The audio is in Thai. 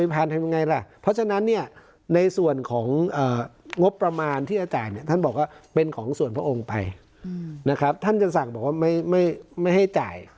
เพราะฉะนั้นเนี่ยในส่วนของเอ่องบประมาณที่จะจ่ายเนี่ยท่านบอกว่าเป็นของส่วนพระองค์ไปนะครับท่านจะสั่งบอกว่าไม่ไม่ไม่ให้จ่าย